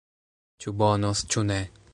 Ĉu bonos, ĉu ne.